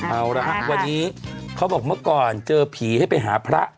เอาละฮะวันนี้เขาบอกเมื่อก่อนเจอผีให้ไปหาพระ